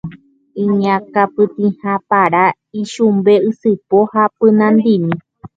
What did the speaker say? iñakãpytĩha para, ichumbe ysypo ha pynandimi